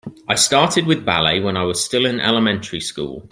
I started with ballet when I was still in elementary school.